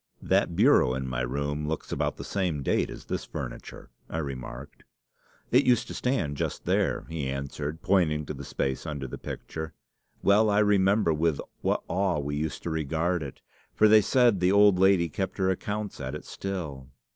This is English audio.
"'That bureau in my room looks about the same date as this furniture,' I remarked. "'It used to stand just there,' he answered, pointing to the space under the picture. 'Well I remember with what awe we used to regard it; for they said the old lady kept her accounts at it still.